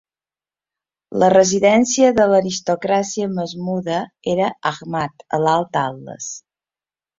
La residència de l'aristocràcia Masmuda era Aghmat, a l'Alt Altes.